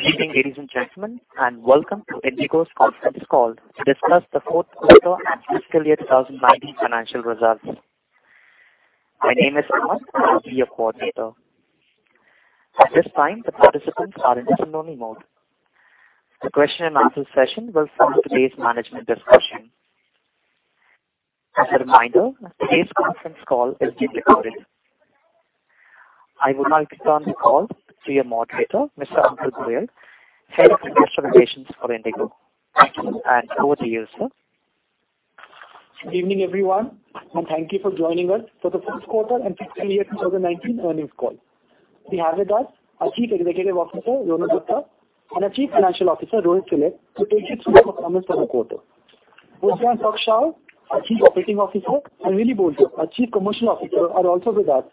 Good evening, ladies and gentlemen, and welcome to IndiGo's conference call to discuss the fourth quarter and FY 2019 financial results. My name is Aman, I will be your coordinator. At this time, the participants are in listen-only mode. The question and answer session will follow today's management discussion. As a reminder, today's conference call is being recorded. I would now like to turn the call to your moderator, Mr. Ankur Goel, Head of Investor Relations for IndiGo. Over to you, sir. Good evening, everyone, and thank you for joining us for the fourth quarter and FY 2019 earnings call. We have with us our Chief Executive Officer, Rono Dutta, and our Chief Financial Officer, Rohit Silat, who will take you through the performance for the quarter. Wolfgang Prock-Schauer, our Chief Operating Officer, and Willy Boulter, our Chief Commercial Officer, are also with us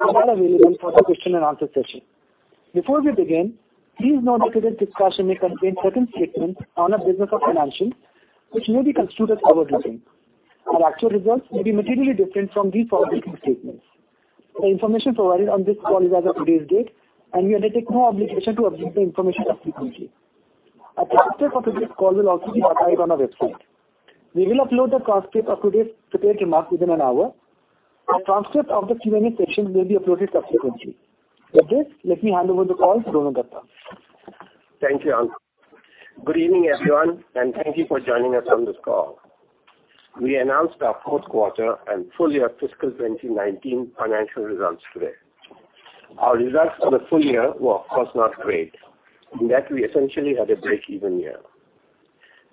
and are available for the question and answer session. Before we begin, please note that today's discussion may contain certain statements on our business or financials, which may be construed as forward-looking. Our actual results may be materially different from these forward-looking statements. The information provided on this call is as of today's date, and we undertake no obligation to update the information subsequently. A transcript of today's call will also be archived on our website. We will upload the transcript of today's prepared remarks within an hour. A transcript of the Q&A session may be uploaded subsequently. With this, let me hand over the call to Rono Dutta. Thank you, Ankur. Good evening, everyone, and thank you for joining us on this call. We announced our fourth quarter and full year FY 2019 financial results today. Our results for the full year were, of course, not great, in that we essentially had a break-even year.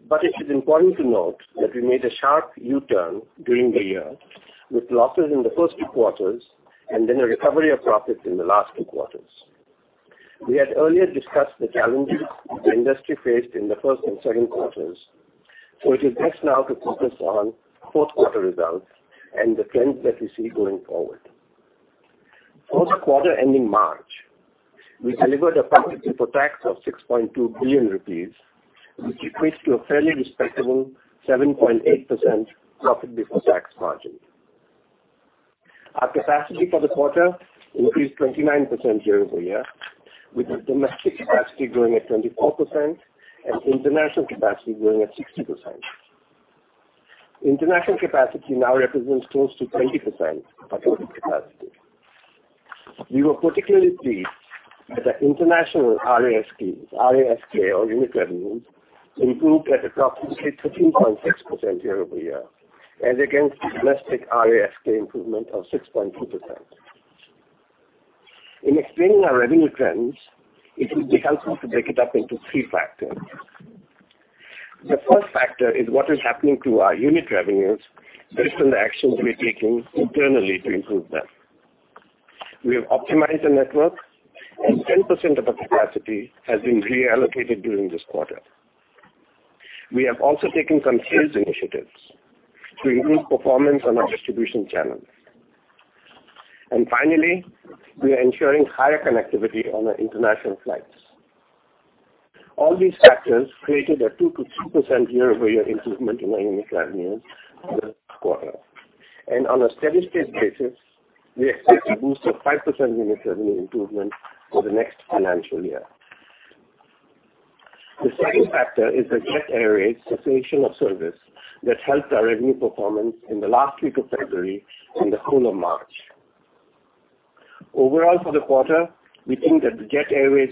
But it is important to note that we made a sharp U-turn during the year with losses in the first two quarters and then a recovery of profit in the last two quarters. We had earlier discussed the challenges the industry faced in the first and second quarters, so it is best now to focus on fourth quarter results and the trends that we see going forward. Fourth quarter ending March, we delivered a profit before tax of 6.2 billion rupees, which equates to a fairly respectable 7.8% profit before tax margin. Our capacity for the quarter increased 29% year over year, with our domestic capacity growing at 24% and international capacity growing at 60%. International capacity now represents close to 20% of our capacity. We were particularly pleased that our international RASPs, RASK or unit revenues, improved at a healthy 13.6% year over year as against domestic RASK improvement of 6.2%. In explaining our revenue trends, it will be helpful to break it up into three factors. The first factor is what is happening to our unit revenues based on the actions we are taking internally to improve them. We have optimized the network, and 10% of our capacity has been reallocated during this quarter. We have also taken some sales initiatives to improve performance on our distribution channels. Finally, we are ensuring higher connectivity on our international flights. All these factors created a 2%-3% year over year improvement in our unit revenues this quarter. On a steady-state basis, we expect a boost of 5% unit revenue improvement for the next financial year. The second factor is the Jet Airways cessation of service that helped our revenue performance in the last week of February and the whole of March. Overall for the quarter, we think that the Jet Airways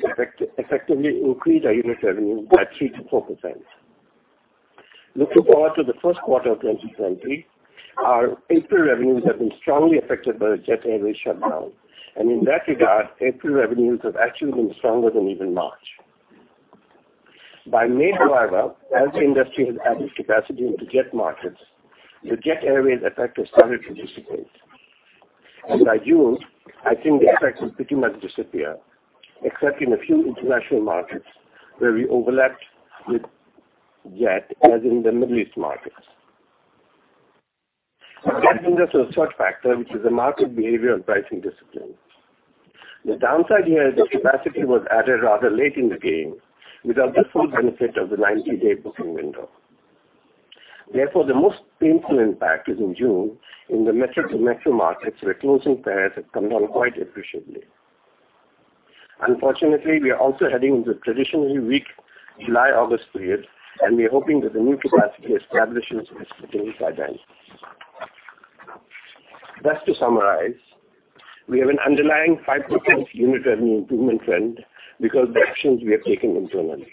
effectively increased our unit revenue by 3%-4%. Looking forward to the first quarter of 2020, our April revenues have been strongly affected by the Jet Airways shutdown, and in that regard, April revenues have actually been stronger than even March. By May, however, as the industry has added capacity into Jet markets, the Jet Airways effect has started to dissipate. By June, I think the effect will pretty much disappear, except in a few international markets where we overlapped with Jet, as in the Middle East markets. That brings us to the third factor, which is the market behavior and pricing discipline. The downside here is that capacity was added rather late in the game without the full benefit of the 90-day booking window. Therefore, the most painful impact is in June in the metro-to-metro markets, where closing fares have come down quite appreciably. Unfortunately, we are also heading into the traditionally weak July-August period, and we are hoping that the new capacity established itself by then. Just to summarize, we have an underlying 5% unit revenue improvement trend because of the actions we are taking internally.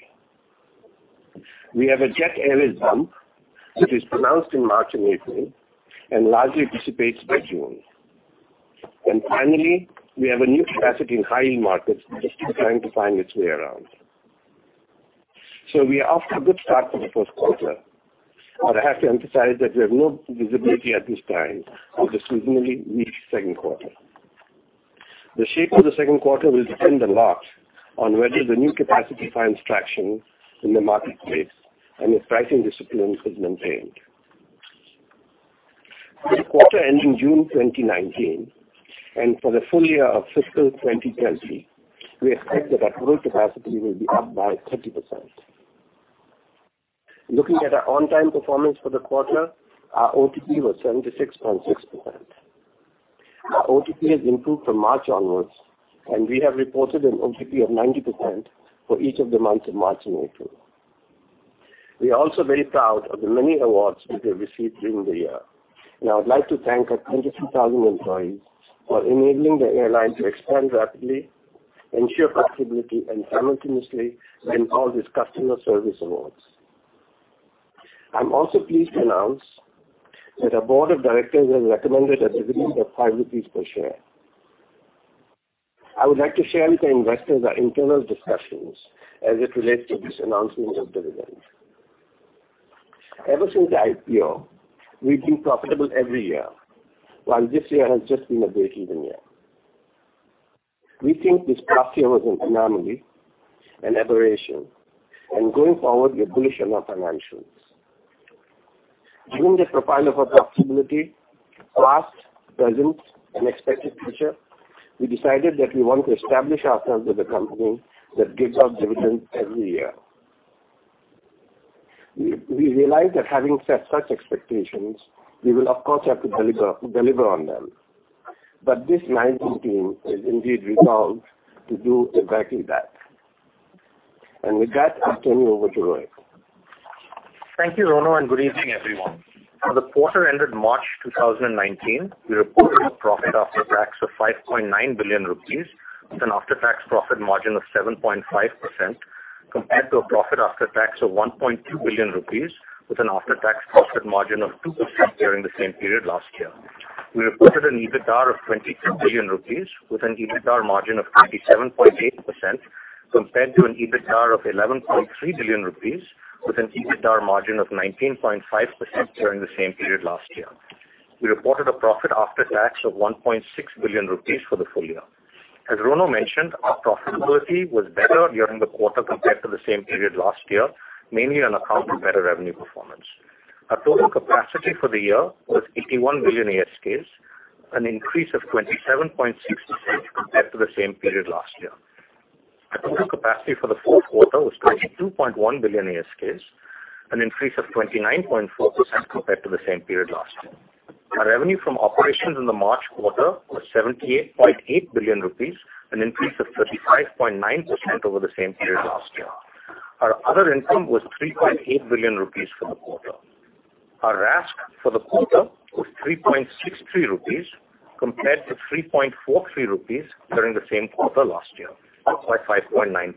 We have a Jet Airways bump that is pronounced in March and April and largely dissipates by June. Finally, we have a new capacity in high-yield markets that is still trying to find its way around. We are off to a good start for the fourth quarter, but I have to emphasize that we have no visibility at this time on the seasonally weak second quarter. The shape of the second quarter will depend a lot on whether the new capacity finds traction in the marketplace and if pricing discipline is maintained. For the quarter ending June 2019 and for the full year of fiscal 2020, we expect that our total capacity will be up by 30%. Looking at our on-time performance for the quarter, our OTP was 76.6%. Our OTP has improved from March onwards, and we have reported an OTP of 90% for each of the months of March and April. We are also very proud of the many awards that we have received during the year, and I would like to thank our 22,000 employees for enabling the airline to expand rapidly, ensure profitability, and simultaneously win all these customer service awards. I am also pleased to announce that our board of directors has recommended a dividend of 5 rupees per share. I would like to share with the investors our internal discussions as it relates to this announcement of dividend. Ever since the IPO, we have been profitable every year, while this year has just been a breakeven year. We think this past year was an anomaly, an aberration, and going forward, we are bullish on our financials. Given the profile of our profitability, past, present, and expected future, we decided that we want to establish ourselves as a company that gives out dividends every year. We realize that having set such expectations, we will of course have to deliver on them. But this management team is indeed resolved to do exactly that. With that, I turn you over to Rohit. Thank you, Rono, and good evening, everyone. For the quarter ended March 2019, we reported a profit after tax of 5.9 billion rupees, with an after-tax profit margin of 7.5%, compared to a profit after tax of 1.2 billion rupees with an after-tax profit margin of 2% during the same period last year. We reported an EBITDAR of 22 billion rupees with an EBITDAR margin of 27.8% compared to an EBITDAR of 11.3 billion rupees with an EBITDAR margin of 19.5% during the same period last year. We reported a profit after tax of 1.6 billion rupees for the full year. As Rono mentioned, our profitability was better during the quarter compared to the same period last year, mainly on account of better revenue performance. Our total capacity for the year was 81 billion ASKs, an increase of 27.6% compared to the same period last year. Our total capacity for the fourth quarter was 22 billion ASKs, an increase of 29.4% compared to the same period last year. Our revenue from operations in the March quarter was 78.8 billion rupees, an increase of 35.9% over the same period last year. Our other income was 3.8 billion rupees for the quarter. Our RASK for the quarter was 3.63 rupees compared to 3.43 rupees during the same quarter last year, up by 5.9%.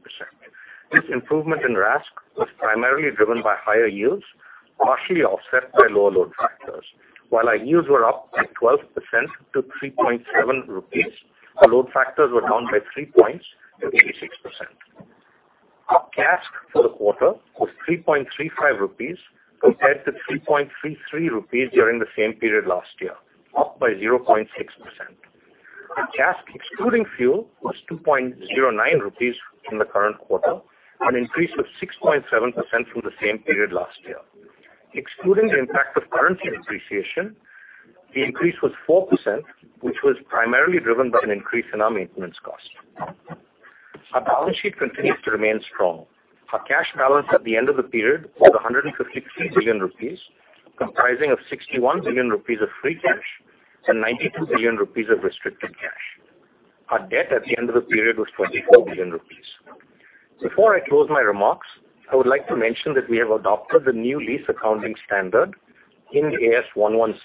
This improvement in RASK was primarily driven by higher yields, partially offset by lower load factors. While our yields were up by 12% to 3.7 rupees, our load factors were down by three points to 86%. Our CASK for the quarter was 3.35 rupees compared to 3.33 rupees during the same period last year, up by 0.6%. Our CASK excluding fuel was 2.09 rupees in the current quarter, an increase of 6.7% through the same period last year. Excluding the impact of currency depreciation, the increase was 4%, which was primarily driven by an increase in our maintenance cost. Our balance sheet continues to remain strong. Our cash balance at the end of the period was 153 billion rupees, comprising of 61 billion rupees of free cash and 92 billion rupees of restricted cash. Our debt at the end of the period was 24 billion rupees. Before I close my remarks, I would like to mention that we have adopted the new lease accounting standard, Ind AS 116,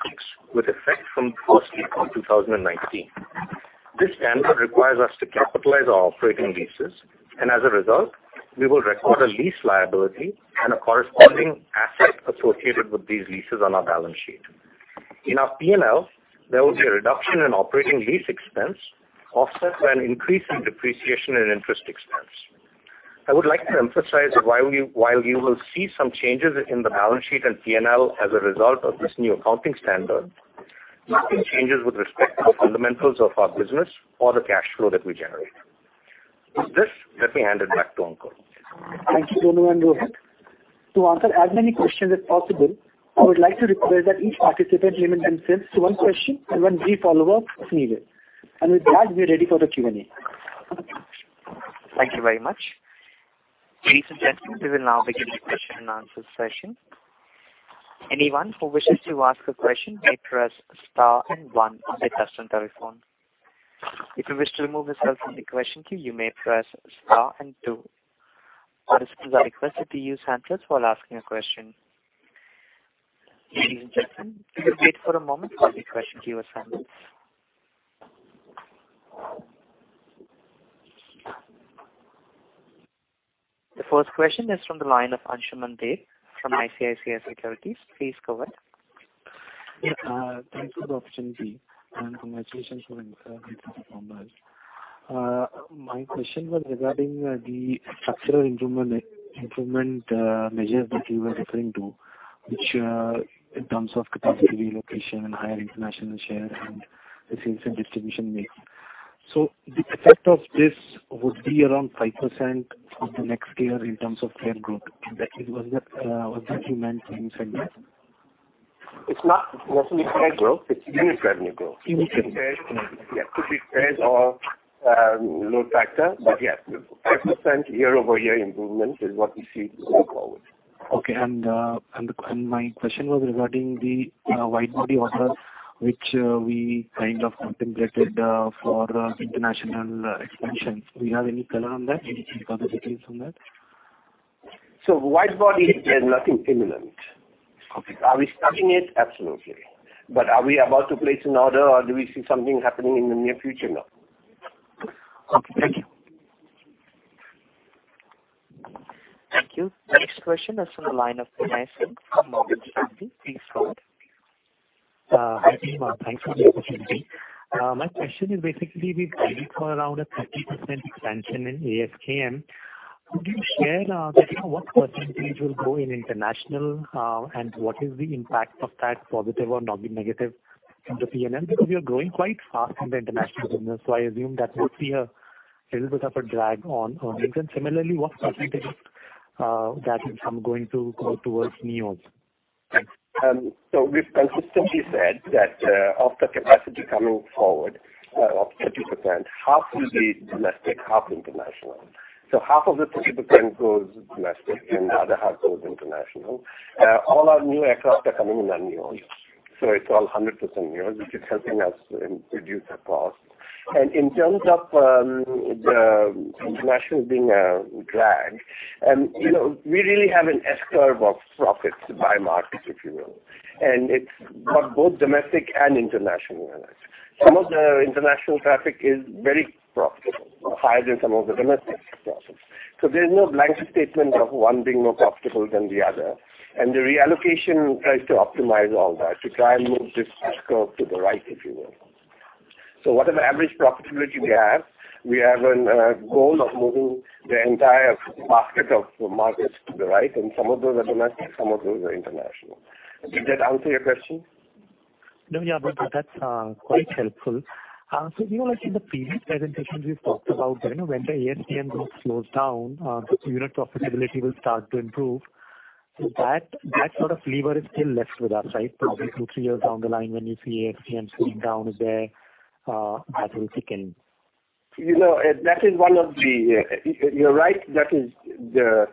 with effect from first April 2019. This standard requires us to capitalize our operating leases, and as a result, we will record a lease liability and a corresponding asset associated with these leases on our balance sheet. In our P&L, there will be a reduction in operating lease expense offset by an increase in depreciation and interest expense. I would like to emphasize that while you will see some changes in the balance sheet and P&L as a result of this new accounting standard, there have been no changes with respect to the fundamentals of our business or the cash flow that we generate. With this, let me hand it back to Ankur. Thank you, Rono and Rohit. To answer as many questions as possible, I would like to request that each participant limit themselves to one question and one brief follow-up if needed. With that, we are ready for the Q&A. Thank you very much. Ladies and gentlemen, we will now begin the question and answer session. Anyone who wishes to ask a question may press star one on their touchtone telephone. If you wish to remove yourself from the question queue, you may press star two. Participants are requested to use handsets while asking a question. Ladies and gentlemen, if you could wait for a moment while the question queue assembles. The first question is from the line of Ansuman Deb from ICICI Securities. Please go ahead. Thank you for the opportunity, and congratulations on the good performance. My question was regarding the structural improvement measures that you were referring to, in terms of capacity relocation and higher international share and the sales and distribution mix. The effect of this would be around 5% for the next year in terms of fare growth. Was that what you meant when you said that? It's not necessarily fare growth, it's unit revenue growth. Unit revenue growth. Could be fares. Could be fares or load factor. Yes, 5% year-over-year improvement is what we see going forward. Okay. My question was regarding the wide-body order, which we kind of contemplated for international expansion. Do you have any color on that? Any specific details on that? Wide-body, there's nothing imminent. Okay. Are we studying it? Absolutely. Are we about to place an order, or do we see something happening in the near future? No. Okay. Thank you. Thank you. Next question is on the line of Himal Singh from Morgan Stanley. Please go ahead. Hi, Deepak. Thanks for the opportunity. My question is, basically, we've guided for around a 30% expansion in ASKM. Could you share just what percentage will go in international, and what is the impact of that, positive or negative in the P&L? We are growing quite fast in the international business. I assume that would be a little bit of a drag on earnings. Similarly, what percentage of that is going to go towards neos? Thanks. We've consistently said that of the capacity coming forward of 30%, half will be domestic, half international. Half of the 30% goes domestic and the other half goes international. All our new aircraft are coming in on neos. It's all 100% neos, which is helping us reduce our cost. In terms of the international being a drag, we really have an S-curve of profits by markets, if you will, but both domestic and international markets. Some of the international traffic is very profitable, higher than some of the domestic profits. There's no blanket statement of one being more profitable than the other. The reallocation tries to optimize all that, to try and move this S-curve to the right, if you will. Whatever average profitability we have, we have a goal of moving the entire basket of markets to the right, and some of those are domestic, some of those are international. Did that answer your question? No, yeah. That's quite helpful. We know, like in the previous presentations, you've talked about when the ASKM growth slows down, the unit profitability will start to improve. That sort of flavor is still left with us, right? Probably two, three years down the line when you see ASKMs going down there, that will kick in. You're right. That is the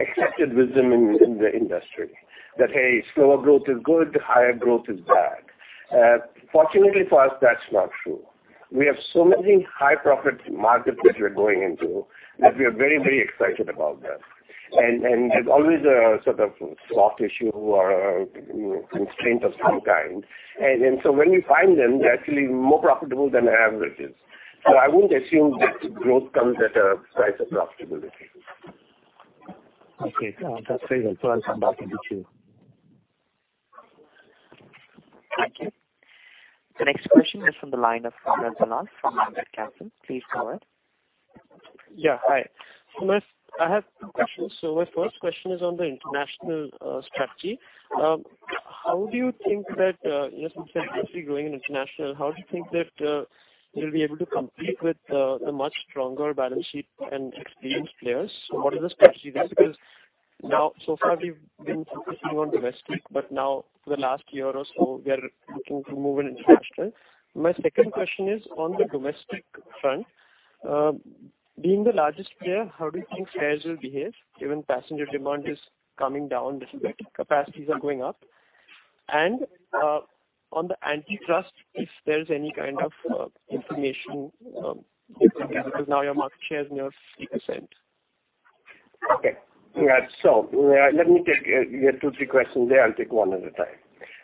accepted wisdom in the industry, that, hey, slower growth is good, higher growth is bad. Fortunately for us, that's not true. We have so many high-profit markets which we are going into that we are very, very excited about that. There's always a sort of soft issue or a constraint of some kind. When we find them, they're actually more profitable than averages. I wouldn't assume that growth comes at a price of profitability. Okay. That's very helpful, and I'll come back if need be. Thank you. The next question is from the line of Rahul Chadha from Nomura Capital. Please go ahead. Hi. I have two questions. My first question is on the international strategy. You said you're aggressively growing in international. How do you think that you'll be able to compete with the much stronger balance sheet and experienced players? What is the strategy there? Because so far we've been focusing on domestic, but for the last year or so, we are looking to move in international. My second question is on the domestic front. Being the largest player, how do you think fares will behave given passenger demand is coming down despite capacities are going up? On the antitrust, if there's any kind of information you can give, because your market share is near 3%. Okay. Let me take, you had two, three questions there. I'll take one at a time.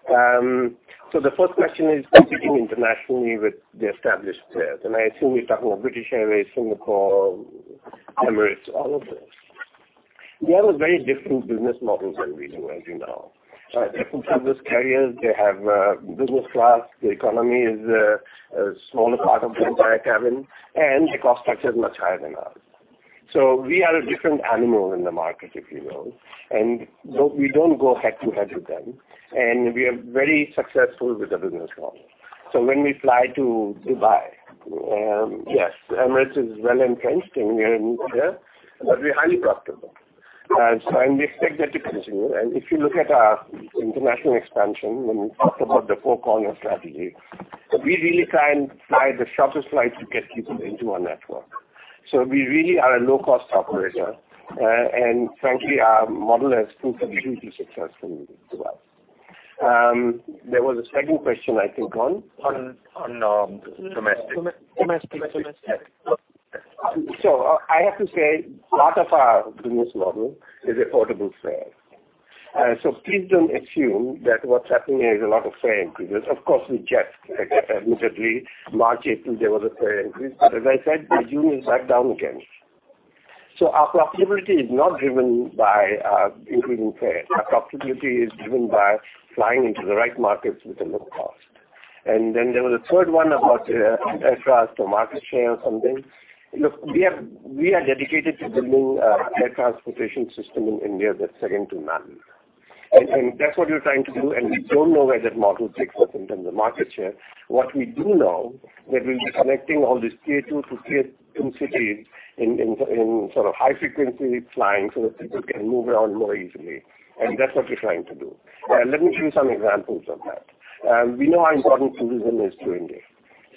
The first question is competing internationally with the established players. I assume you're talking about British Airways, Singapore Airlines, Emirates, all of those. They have a very different business model than we do, as you know. They have full-service carriers. They have business class. The economy is a smaller part of the entire cabin, and the cost structure is much higher than ours. We are a different animal in the market, if you will, and we don't go head-to-head with them, and we are very successful with the business model. When we fly to Dubai, yes, Emirates is well-entrenched, and we are new there, but we are highly profitable. We expect that to continue. If you look at our international expansion, when we talk about the four corner strategy, we really try and fly the shortest flight to get people into our network. We really are a low-cost operator. Frankly, our model has proved to be hugely successful to us. There was a second question, I think, on- On domestic. Domestic. I have to say, part of our business model is affordable fares. Please don't assume that what's happening is a lot of fare increases. Of course, we adjust. Admittedly, March, April, there was a fare increase, but as I said, by June, it's back down again. Our profitability is not driven by increasing fares. Our profitability is driven by flying into the right markets with a low cost. Then there was a third one about antitrust or market share or something. Look, we are dedicated to building an air transportation system in India that's second to none. That's what we're trying to do, and we don't know where that model takes us in terms of market share. What we do know, that we'll be connecting all these tier 2 cities in sort of high-frequency flying so that people can move around more easily. That's what we're trying to do. Let me show you some examples of that. We know how important tourism is to India.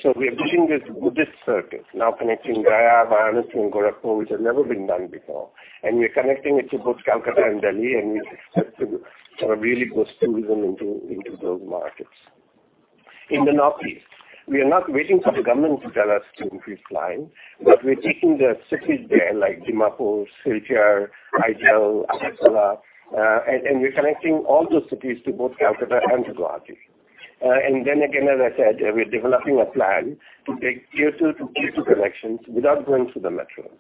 So we are building this Buddhist Circuit now connecting Gaya, Varanasi, and Gorakhpur, which has never been done before. We are connecting it to both Kolkata and Delhi, and we expect to sort of really boost tourism into those markets. In the Northeast, we are not waiting for the government to tell us to increase flying, but we are taking the cities there, like Dimapur, Silchar, Imphal, Aizawl, and we're connecting all those cities to both Kolkata and Guwahati. Then again, as I said, we're developing a plan to take tier 2 to tier 2 connections without going through the metros.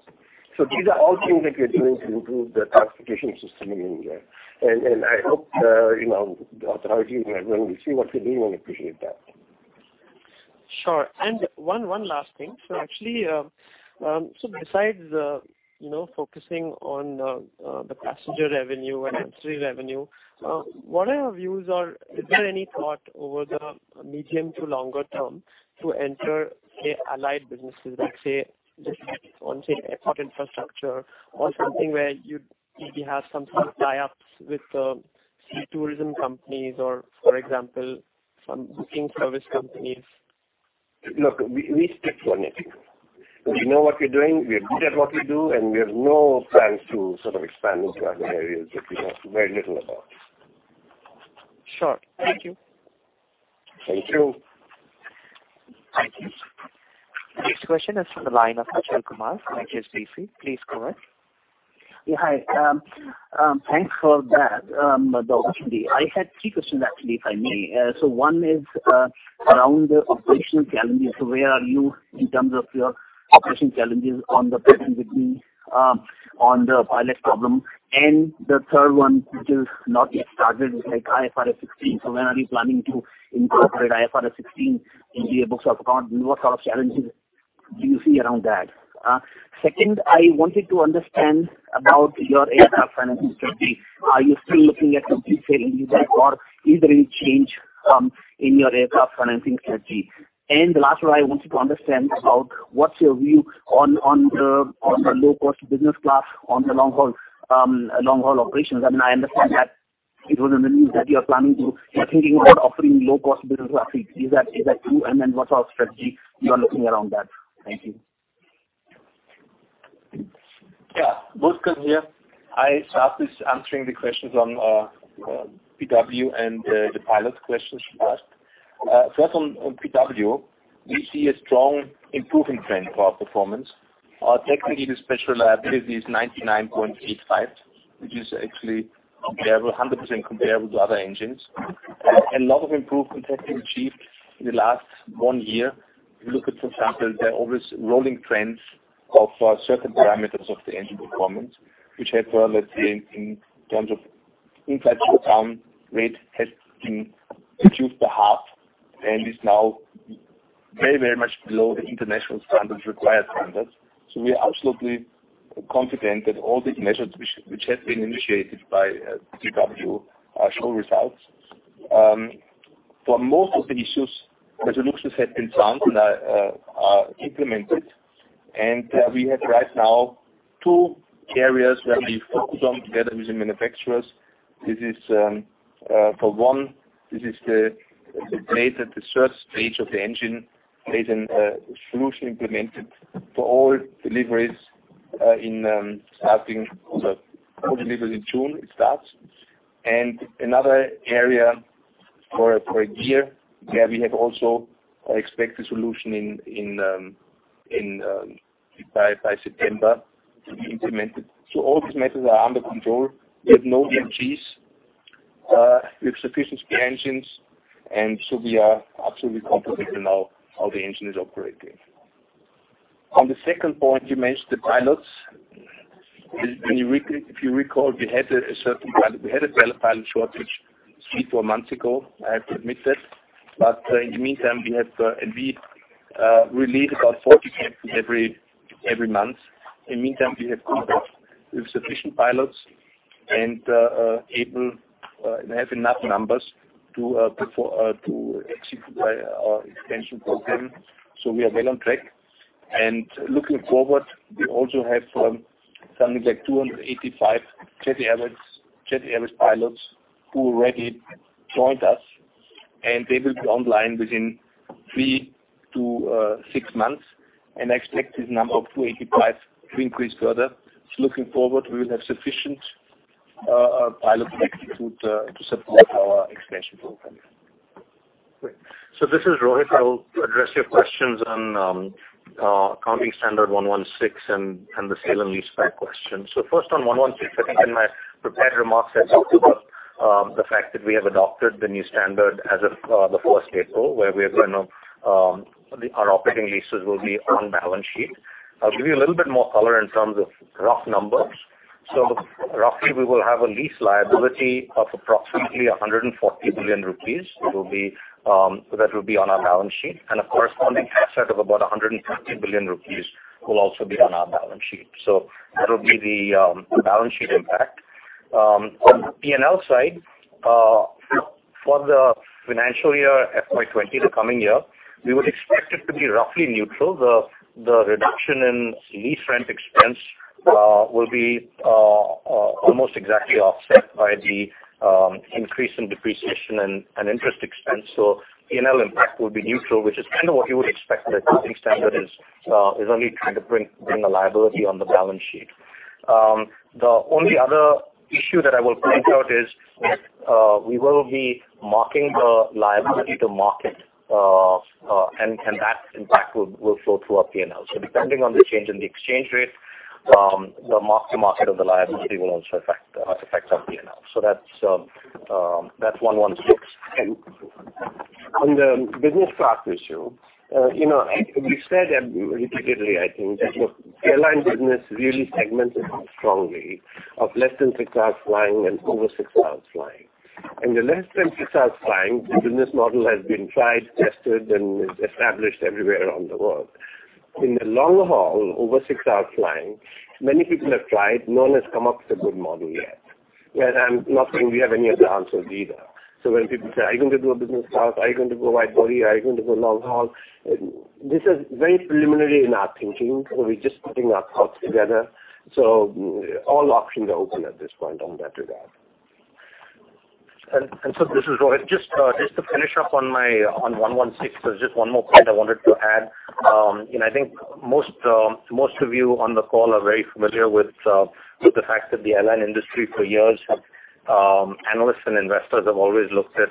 These are all things that we are doing to improve the transportation system in India. I hope the authorities, when they see what we're doing, will appreciate that. Sure. One last thing. Actually, besides focusing on the passenger revenue and ancillary revenue, is there any thought over the medium to longer term to enter, say, allied businesses like, say, just on, say, airport infrastructure or something where you maybe have some sort of tie-ups with, say, tourism companies or, for example, some booking service companies? Look, we stick to one thing. We know what we're doing, we are good at what we do, and we have no plans to sort of expand into other areas that we know very little about. Sure. Thank you. Thank you. Thank you. Next question is from the line of Achal Kumar from HSBC. Please go ahead. Hi. Thanks for that. I had three questions actually, if I may. One is around the operational challenges. Where are you in terms of your operational challenges on the PW, on the pilot problem? The third one, which is not yet started, is IFRS 16. When are you planning to incorporate IFRS 16 into your books of account, and what sort of challenges do you see around that? Second, I wanted to understand about your aircraft financing strategy. Are you still looking at complete sale and leaseback, or is there any change in your aircraft financing strategy? The last one I wanted to understand about, what's your view on the low-cost business class on the long-haul operations? I mean, I understand that it doesn't mean that you're planning to. You're thinking about offering low-cost business class seats. Is that true? What's our strategy you are looking around that? Thank you. Wolfgang here. I start with answering the questions on PW and the pilot questions you asked. First on PW, we see a strong improving trend for our performance. Our technically due special liability is 99.85, which is actually comparable, 100% comparable to other engines. A lot of improvements have been achieved in the last one year. If you look at, for example, the always rolling trends of certain parameters of the engine performance, which have, let's say, in terms of in-flight shutdown rate, has been reduced by half and is now very much below the international required standards. We are absolutely confident that all these measures which have been initiated by PW show results. For most of the issues, resolutions have been found and are implemented. We have right now two areas where we focus on together with the manufacturers. For one, this is the blade at the third stage of the engine, a solution implemented for all deliveries in June, it starts. Another area for a gear, where we have also expected solution by September to be implemented. All these matters are under control. We have no MTFs with sufficient spare engines, and we are absolutely confident in how the engine is operating. On the second point, you mentioned the pilots. If you recall, we had a pilot shortage three, four months ago, I have to admit that. In the meantime, we release about 40 captains every month. In the meantime, we have coupled with sufficient pilots and have enough numbers to execute our expansion program. We are well on track. Looking forward, we also have something like 285 Jet Airways pilots who already joined us, and they will be online within three to six months. I expect this number of 285 to increase further. Looking forward, we will have sufficient pilot strength to support our expansion program. Great. This is Rohit. I will address your questions on Accounting Standard 116 and the sale and leaseback question. First on 116, I think in my prepared remarks, I talked about the fact that we have adopted the new standard as of the fourth April, where our operating leases will be on balance sheet. I'll give you a little bit more color in terms of rough numbers. Roughly we will have a lease liability of approximately 140 billion rupees that will be on our balance sheet, and a corresponding asset of about 150 billion rupees will also be on our balance sheet. That will be the balance sheet impact. On the P&L side, for the financial year FY 2020, the coming year, we would expect it to be roughly neutral. The reduction in lease rent expense will be almost exactly offset by the increase in depreciation and interest expense. P&L impact will be neutral, which is kind of what you would expect with accounting standard is only trying to bring a liability on the balance sheet. The only other issue that I will point out is we will be marking the liability to market, and that impact will flow through our P&L. Depending on the change in the exchange rate, the mark to market of the liability will also affect our P&L. That's 116. On the business class issue, we've said repeatedly, I think that, look, the airline business really segmented out strongly of less than six hours flying and over six hours flying. In the less than six hours flying, the business model has been tried, tested, and is established everywhere around the world. In the long haul, over six hours flying, many people have tried, no one has come up with a good model yet. I'm not saying we have any of the answers either. When people say, "Are you going to do a business class? Are you going to go wide body? Are you going to go long haul?" This is very preliminary in our thinking. We're just putting our thoughts together. All options are open at this point on that regard. This is Rohit. Just to finish up on 116. There's just one more point I wanted to add. I think most of you on the call are very familiar with the fact that the airline industry for years analysts and investors have always looked at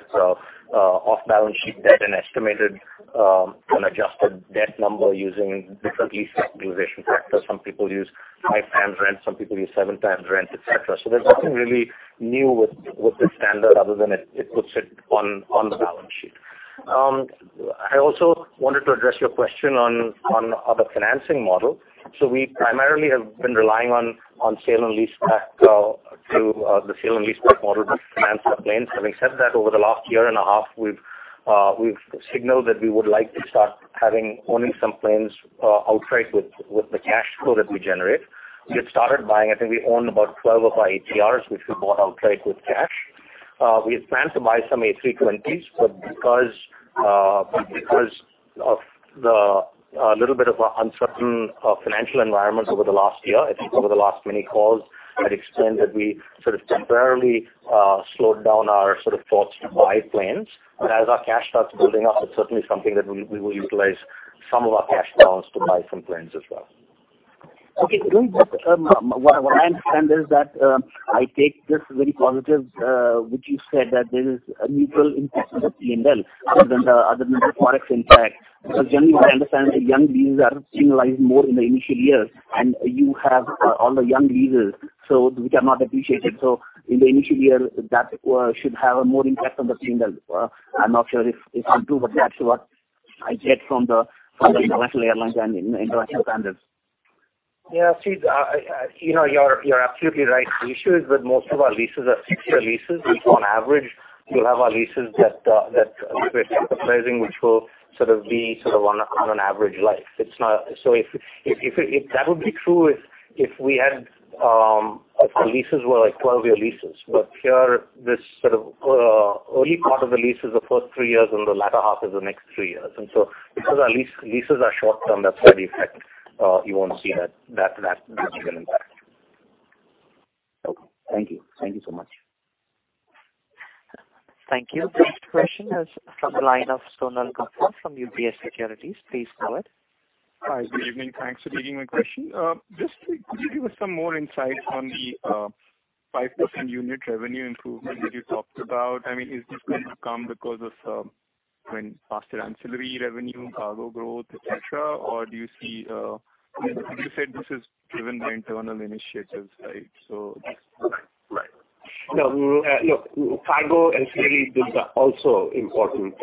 off-balance sheet debt and estimated an adjusted debt number using different lease utilization factors. Some people use five times rent, some people use seven times rent, et cetera. There's nothing really new with the standard other than it puts it on the balance sheet. I also wanted to address your question on the financing model. We primarily have been relying on the sale and leaseback model to finance our planes. Having said that, over the last year and a half, we've signaled that we would like to start owning some planes outright with the cash flow that we generate. We had started buying, I think we own about 12 of our ATRs, which we bought outright with cash. We had planned to buy some A320s, because of the little bit of uncertain financial environments over the last year, I think over the last many calls had explained that we sort of temporarily slowed down our thoughts to buy planes. As our cash starts building up, it's certainly something that we will utilize some of our cash flows to buy some planes as well. Okay. What I understand is that I take this very positive which you said that there is a neutral impact on the P&L other than the Forex impact. Generally what I understand, the young leases are penalized more in the initial years, and you have all the young leases which are not appreciated. In the initial year, that should have a more impact on the P&L. I'm not sure if I'm true, that's what I get from the national airlines and international standards. Yeah. You're absolutely right. The issue is with most of our leases are 6-year leases, which on average will have our leases that we're entering, which will sort of be on an average life. That would be true if our leases were 12-year leases. Here, this early part of the lease is the first three years and the latter half is the next three years. Because our leases are short-term, that's why the effect you won't see that material impact. Okay. Thank you. Thank you so much. Thank you. Next question is from the line of Sonal Gupta from UBS Securities. Please go ahead. Hi, good evening. Thanks for taking my question. Could you give us some more insights on the 5% unit revenue improvement that you talked about? Is this going to come because of faster ancillary revenue, cargo growth, et cetera? You said this is driven by internal initiatives, right? Right. Cargo, ancillary, those are also important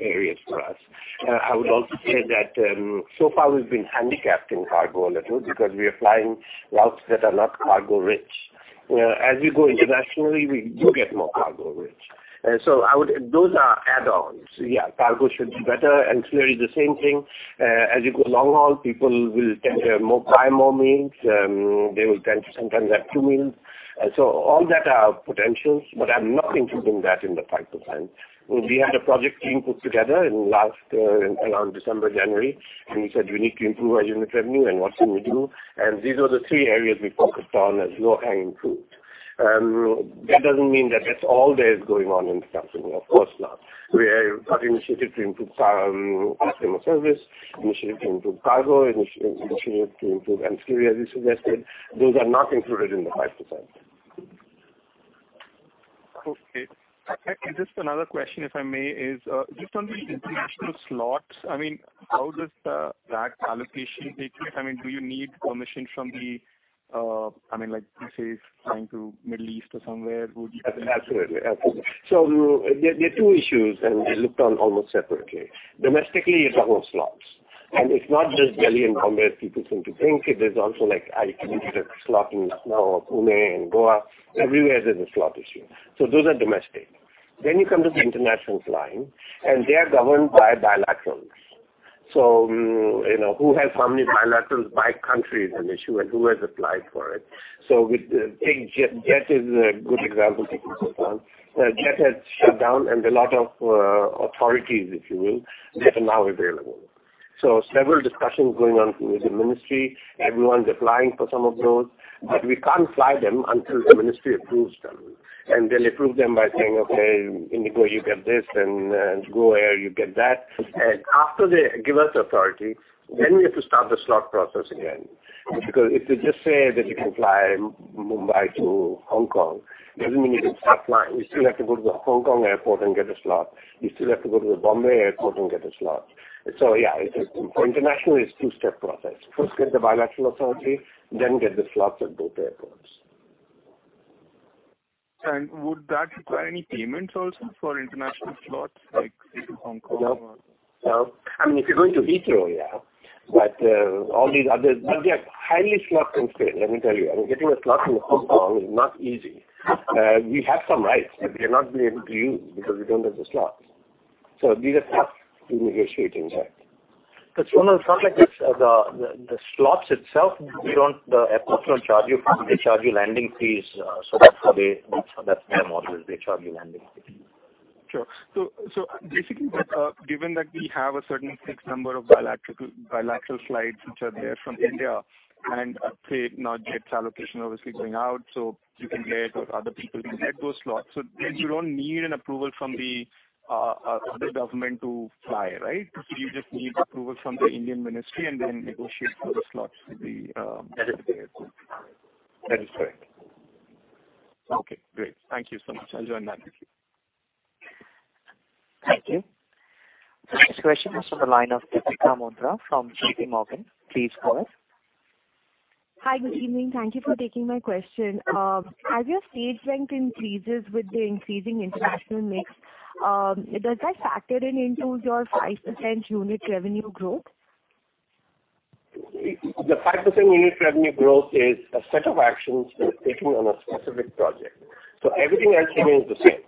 areas for us. I would also say that so far we've been handicapped in cargo a little because we are flying routes that are not cargo-rich. As we go internationally, we do get more cargo-rich. Those are add-ons. Yeah, cargo should do better. Ancillary, the same thing. As you go long haul, people will tend to buy more meals. They will tend to sometimes have two meals. All that are potentials, but I'm not including that in the 5%. We had a project team put together in around December, January, and we said we need to improve our unit revenue and what can we do? These are the three areas we focused on as low-hanging fruit. That doesn't mean that that's all there is going on in the company. Of course not. We have got initiative to improve customer service, initiative to improve cargo, initiative to improve ancillary, as you suggested. Those are not included in the 5%. Just another question, if I may, is just on the international slots. How does that allocation take place? Do you need permission from the like say if flying to Middle East or somewhere? Absolutely. There are two issues, and they're looked on almost separately. Domestically, it's about slots. It's not just Delhi and Bombay as people seem to think. It is also like I need a slot in Pune and Goa. Everywhere there's a slot issue. Those are domestic. You come to the international flying, and they are governed by bilaterals. Who has how many bilaterals by country is an issue, and who has applied for it. Jet is a good example to focus on. Jet has shut down and a lot of authorities, if you will, they are now available. Several discussions going on with the Ministry. Everyone's applying for some of those, but we can't fly them until the Ministry approves them. They'll approve them by saying, "Okay, IndiGo, you get this, and GoAir, you get that." After they give us authority, we have to start the slot process again. Because if they just say that you can fly Mumbai to Hong Kong, it doesn't mean you can start flying. You still have to go to the Hong Kong airport and get a slot. You still have to go to the Bombay airport and get a slot. Yeah, international is a two-step process. First, get the bilateral authority, get the slots at both airports. Would that require any payments also for international slots, like say to Hong Kong? No. If you're going to Heathrow, yeah. Yeah, highly slot constrained, let me tell you. Getting a slot in Hong Kong is not easy. We have some rights that we have not been able to use because we don't have the slots. These are tough to negotiate inside. Sonal, it's not like this. The slots itself, the airports don't charge you. They charge you landing fees. That's their model, is they charge you landing fees. Sure. Basically, given that we have a certain fixed number of bilateral rights which are there from India, and say now Jet's allocation obviously going out, you can get it or other people can get those slots. You don't need an approval from the government to fly, right? You just need approval from the Indian Ministry and then negotiate for the slots with the. That is correct. Okay, great. Thank you so much. I'll join back. Thank you. The next question is from the line of Deepika Mundra from J.P. Morgan. Please go ahead. Hi. Good evening. Thank you for taking my question. As your seat rent increases with the increasing international mix, does that factor in into your 5% unit revenue growth? The 5% unit revenue growth is a set of actions we're taking on a specific project. Everything else remains the same.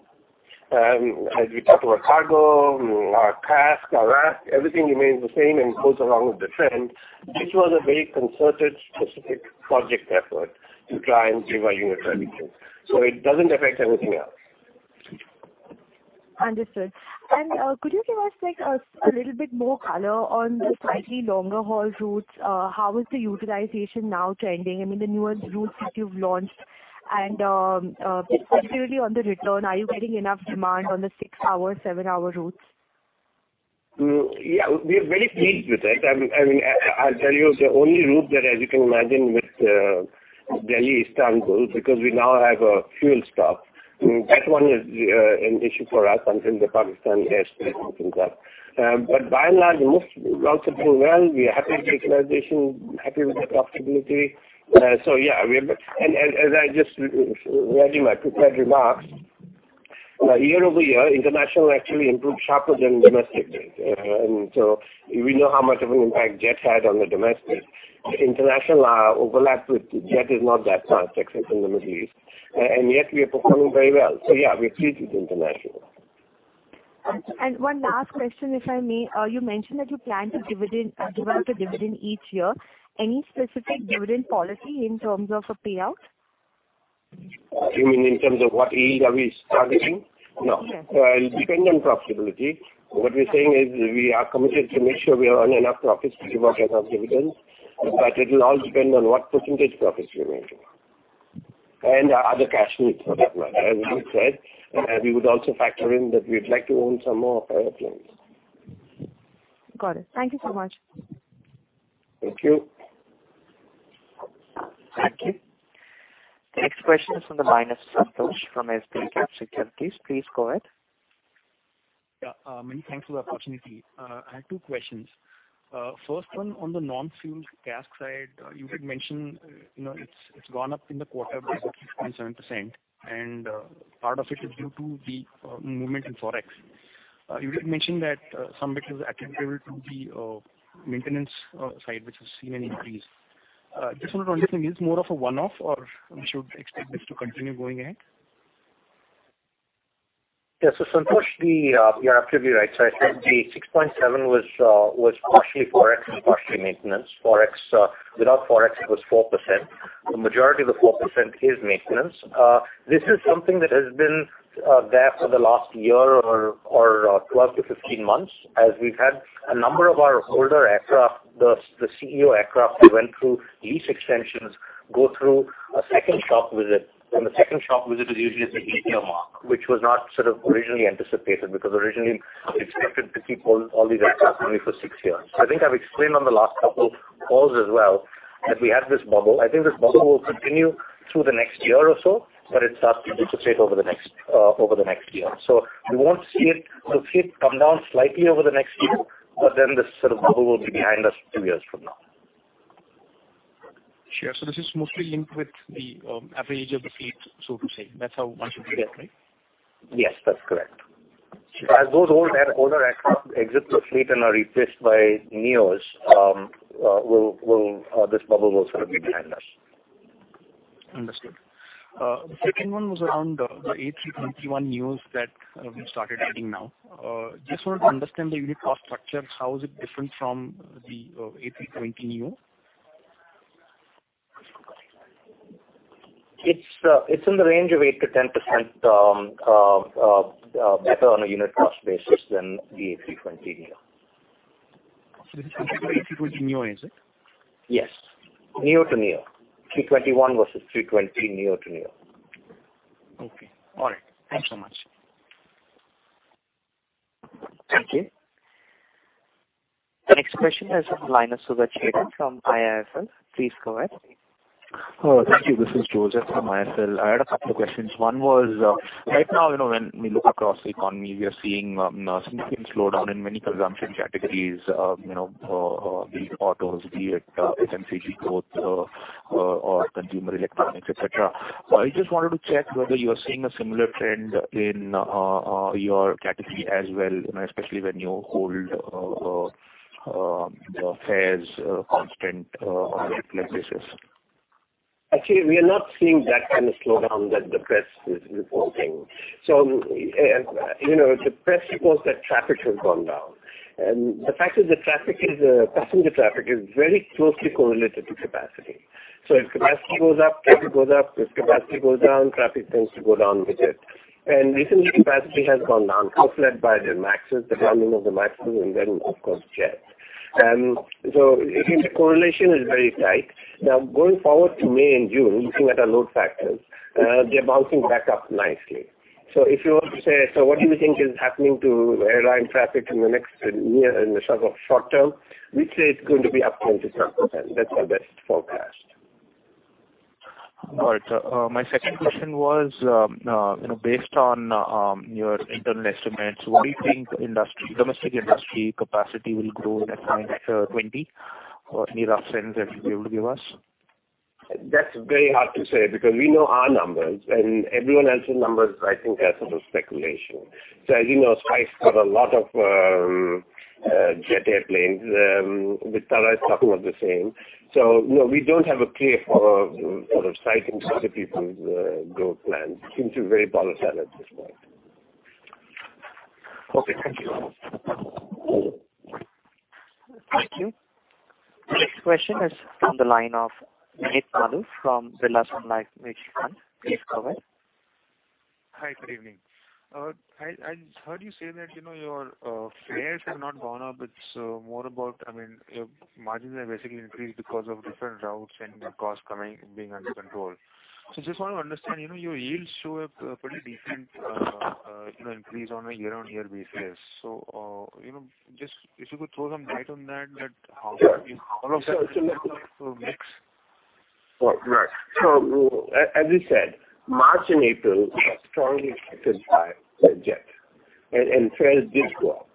As we talk about cargo, our CASK, our RASK, everything remains the same and goes along with the trend, which was a very concerted, specific project effort to try and drive our unit revenue. It doesn't affect anything else. Understood. Could you give us a little bit more color on the slightly longer-haul routes? How is the utilization now trending? I mean, the newer routes that you've launched, and specifically on the return, are you getting enough demand on the six-hour, seven-hour routes? Yeah. We are very pleased with it. I'll tell you the only route that, as you can imagine, with Delhi-Istanbul, because we now have a fuel stop. That one is an issue for us until the Pakistan airspace opens up. By and large, most routes are doing well. We are happy with the utilization, happy with the profitability. As I just read in my prepared remarks, year-over-year, international actually improved sharper than domestic did. We know how much of an impact Jet had on the domestic. International overlap with Jet is not that large, except in the Middle East, and yet we are performing very well. Yeah, we are pleased with international. One last question, if I may. You mentioned that you plan to give out a dividend each year. Any specific dividend policy in terms of a payout? You mean in terms of what yield are we targeting? Yes. No. It will depend on profitability. What we're saying is we are committed to make sure we earn enough profits to give out enough dividends, but it will all depend on what percentage profits we are making. Our other cash needs for that matter, as we said. We would also factor in that we'd like to own some more airplanes. Got it. Thank you so much. Thank you. Thank you. The next question is from the line of Santosh from SBICAP Securities. Please go ahead. Many thanks for the opportunity. I have two questions. First one on the non-fuel CASK side. You had mentioned it's gone up in the quarter by 6.7%, and part of it is due to the movement in Forex. You did mention that some bit was attributable to the maintenance side, which has seen an increase. Just wanted to understand, is this more of a one-off, or we should expect this to continue going ahead? Santosh, you are absolutely right. I said the 6.7% was partially Forex and partially maintenance. Without Forex, it was 4%. The majority of the 4% is maintenance. This is something that has been there for the last year or 12 to 15 months, as we've had a number of our older aircraft, the ceo aircraft that went through lease extensions, go through a second shop visit. The second shop visit is usually at the eight-year mark, which was not sort of originally anticipated, because originally we expected to keep all these aircraft only for six years. I think I've explained on the last couple calls as well that we had this bubble. I think this bubble will continue through the next year or so, but it starts to dissipate over the next year. You'll see it come down slightly over the next year, but then this sort of bubble will be behind us two years from now. Sure. This is mostly linked with the average age of the fleet, so to say. That's how one should read it, right? Yes, that's correct. As those older aircraft exit the fleet and are replaced by Neo, this bubble will sort of be behind us. Understood. The second one was around the A321neo that you started adding now. Just wanted to understand the unit cost structure. How is it different from the A320neo? It's in the range of 8%-10% better on a unit cost basis than the A320neo. This is compared to A320neo, is it? Yes. neo to neo. 321 versus 320, neo to neo. Okay. All right. Thanks so much. Thank you. The next question is on the line of Joseph George from IIFL. Please go ahead. Thank you. This is Joseph from IIFL. I had a couple of questions. One was, right now, when we look across the economy, we are seeing a significant slowdown in many consumption categories be it autos, be it FMCG growth or consumer electronics, et cetera. I just wanted to check whether you are seeing a similar trend in your category as well, especially when you hold fares constant on a year-to-year basis. Actually, we are not seeing that kind of slowdown that the press is reporting. The press reports that traffic has gone down. The fact is passenger traffic is very closely correlated to capacity. If capacity goes up, traffic goes up. If capacity goes down, traffic tends to go down with it. Recently capacity has gone down, led by the MAXes, the grounding of the MAXes and then, of course, Jet. The correlation is very tight. Going forward to May and June, looking at our load factors, they're bouncing back up nicely. If you were to say, what do you think is happening to airline traffic in the next year, in the sort of shorter term? We'd say it's going to be up 20-some%. That's our best forecast. All right. My second question was, based on your internal estimates, what do you think domestic industry capacity will grow in FY 2020? Any rough trends that you'll be able to give us? That's very hard to say, because we know our numbers and everyone else's numbers I think are sort of speculation. As you know, Spice got a lot of Jet airplanes. With TruJet it's sort of the same. No, we don't have a clear sort of sight into other people's growth plans. Seems very volatile at this point. Okay. Thank you. Thank you. The next question is from the line of Nit Manu from Birla Sun Life Mutual Fund. Please go ahead. Hi. Good evening. I heard you say that your fares have not gone up. It's more about your margins have basically increased because of different routes and costs being under control. I just want to understand, your yields show a pretty decent increase on a year-on-year basis. If you could throw some light on that how much of it is mix? Right. As we said, March and April were strongly affected by Jet. Fares did go up.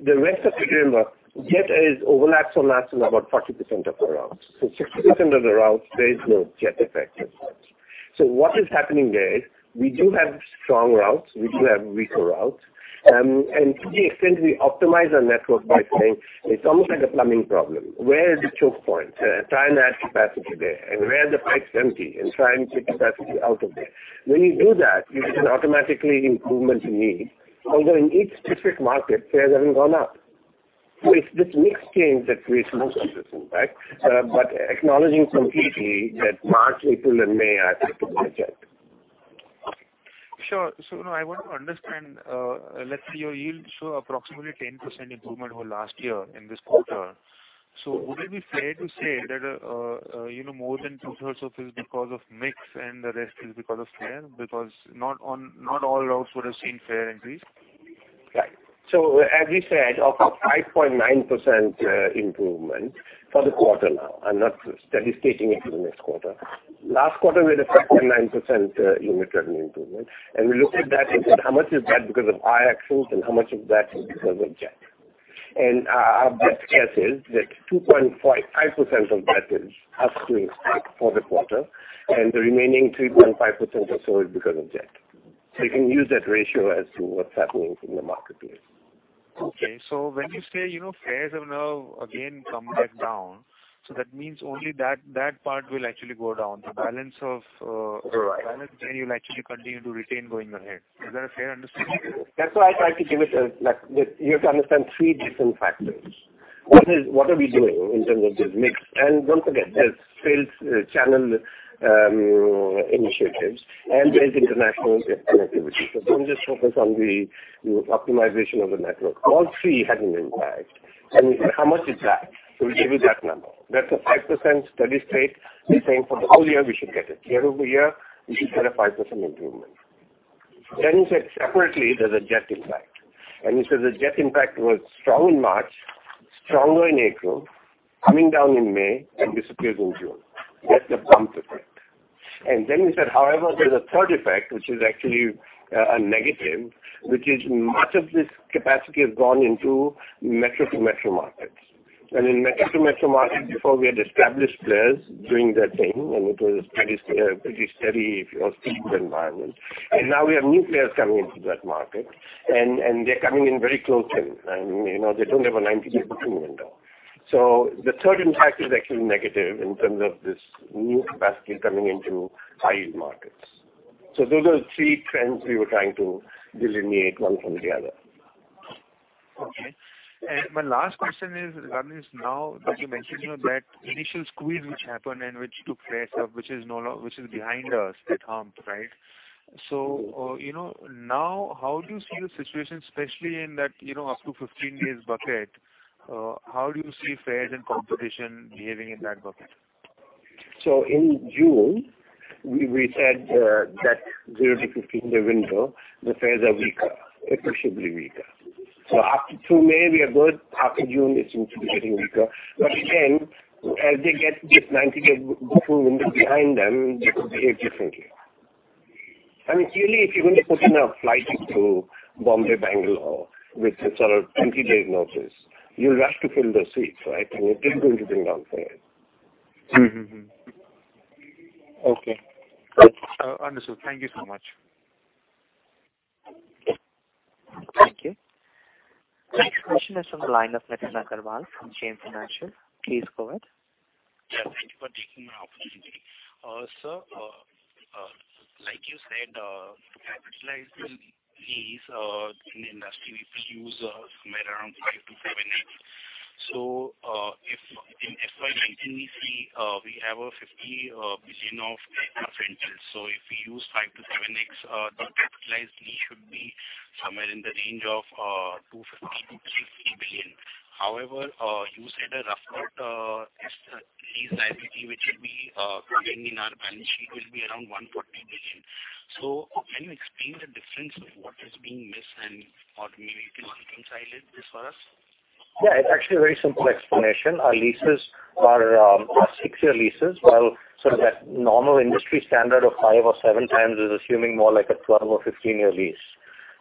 Remember, Jet overlaps on maximum about 40% of the routes. 60% of the routes, there is no Jet effect as such. What is happening there is we do have strong routes, we do have weaker routes. To the extent we optimize our network by saying it's almost like a plumbing problem. Where are the choke points? Try and add capacity there. Where are the pipes empty? Try and take capacity out of there. When you do that, you get an automatically improvement in yield. Although in each specific market, fares haven't gone up. It's this mix change that creates most of this impact. Acknowledging completely that March, April and May are affected by Jet. Sure. Now I want to understand, let's say your yields show approximately 10% improvement over last year in this quarter. Would it be fair to say that more than two-thirds of it is because of mix and the rest is because of fare? Because not all routes would have seen fare increase. Right. As we said, of a 5.9% improvement for the quarter now, I'm not steady stating it for the next quarter. Last quarter, we had a 5.9% unit revenue improvement. We looked at that and said, how much is that because of our actions and how much of that is because of Jet? Our best guess is that 2.5% of that is us doing stuff for the quarter, and the remaining 3.5% or so is because of Jet. You can use that ratio as to what's happening in the marketplace. Okay. When you say fares have now again come back down. That means only that part will actually go down. The balance there you'll actually continue to retain going ahead. Is that a fair understanding? That's why I try to give it as you have to understand three different factors. One is what are we doing in terms of this mix? Don't forget there's sales channel initiatives and there's international connectivity. Don't just focus on the optimization of the network. All three had an impact. We said, how much is that? We give you that number. That's a 5% steady state. We're saying for the whole year, we should get it. Year-over-year, we should get a 5% improvement. We said separately, there's a Jet impact. We said the Jet impact was strong in March, stronger in April, coming down in May, and disappears in June. That's the bumps effect. We said, however, there's a third effect, which is actually a negative, which is much of this capacity has gone into metro-to-metro markets. In metro-to-metro markets before we had established players doing their thing, and it was a pretty steady environment. Now we have new players coming into that market and they're coming in very closely. They don't have a 90-day booking window. The third impact is actually negative in terms of this new capacity coming into high-yield markets. Those are the three trends we were trying to delineate one from the other. Okay. My last question is, Rono, now that you mentioned that initial squeeze which happened and which took place, which is behind us at hump, right? Now how do you see the situation, especially in that up to 15 days bucket, how do you see fares and competition behaving in that bucket? In June, we said that 0-15-day window, the fares are weaker, appreciably weaker. Up to May we are good. Half of June it seems to be getting weaker. Again, as they get this 90-day booking window behind them, they could behave differently. I mean, clearly, if you're going to put in a flight to Bombay, Bangalore with a sort of 20-day notice, you'll rush to fill those seats, right? It is going to bring down fares. Okay. Understood. Thank you so much. Thank you. The next question is from the line of Amit Aggarwal from JM Financial. Please go ahead. Thank you for taking my opportunity. Sir, like you said, to capitalize these in the industry, we use somewhere around 5 to 7x. If in FY 2019, we see we have a 50 billion of rentals. If we use 5 to 7x, the capitalized lease should be somewhere in the range of 250 billion-350 billion. However, you said a rough cut as the lease liability which will be coming in our balance sheet will be around 140 billion. Can you explain the difference of what is being missed and what maybe to reconcile this for us? it's actually a very simple explanation. Our leases are six-year leases, while sort of that normal industry standard of five or seven times is assuming more like a 12 or 15-year lease.